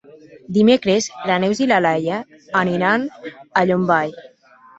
Dimecres na Neus i na Laia aniran a Llombai.